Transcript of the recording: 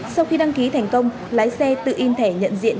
sau khi đăng ký thành công lái xe tự in thẻ nhận diện